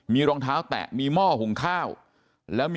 มีรองเท้าแตะม่อหุงข้าว